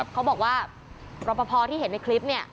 เขาบอกว่ารอปภที่เห็นในคลิปเนี่ย